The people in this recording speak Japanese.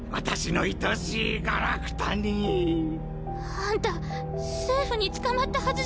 あんた政府に捕まったはずじゃ。